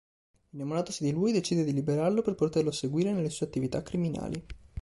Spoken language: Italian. Innamoratasi di lui, decide di liberarlo per poterlo seguire nelle sue attività criminali.